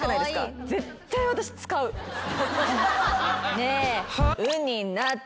ねえ。